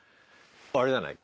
あれじゃない？